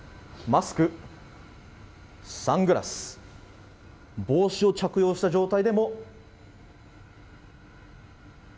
マスクサングラス帽子を着用した状態でも。